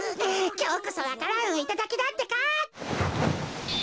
きょうこそわか蘭をいただきだってか。